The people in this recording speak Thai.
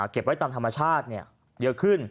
เก็บไว้ตามธรรมชาติเยอะขึ้น